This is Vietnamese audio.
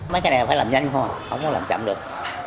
mấy cái này phải làm nhanh thôi không có làm chậm được